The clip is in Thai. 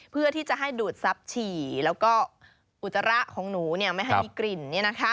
เพื่อที่จะให้ดูดทรัพย์ฉี่แล้วก็อุจจาระของหนูไม่ให้มีกลิ่น